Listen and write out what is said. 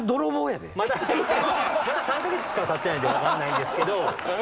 まだ３カ月しかたってないんで分かんないんですけど。